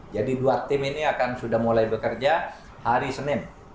jadi dua tim ini akan sudah mulai bekerja hari senin